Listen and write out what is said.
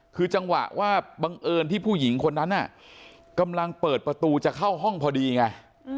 คือจังหวะว่าบังเอิญที่ผู้หญิงคนนั้นกำลังเปิดประตูจะเข้าห้องพอดีไง